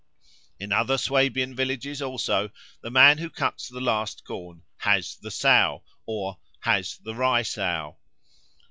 In other Swabian villages also the man who cuts the last corn "has the Sow," or "has the Rye sow."